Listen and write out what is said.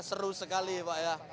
seru sekali pak ya